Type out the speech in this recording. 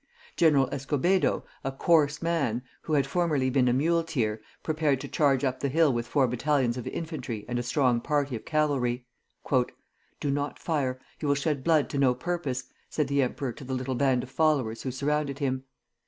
General Escobedo, a coarse man, who had formerly been a muleteer, prepared to charge up the hill with four battalions of infantry and a strong party of cavalry. "Do not fire; you will shed blood to no purpose," said the emperor to the little band of followers who surrounded him.